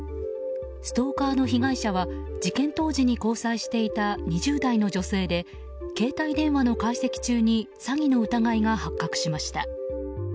ストーカーの被害者は事件当時に交際していた２０代の女性で携帯電話の解析中に詐欺の疑いが発覚しました。